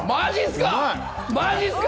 マジっすか？